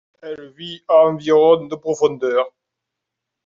Elle vit à environ de profondeur.